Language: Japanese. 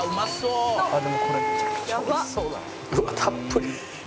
うわったっぷり。